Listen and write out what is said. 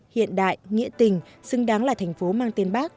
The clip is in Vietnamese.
hiện đại nghĩa tình xứng đáng là thành phố mang tên bác